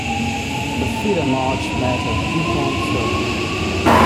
The feeder march met at Dupont Circle.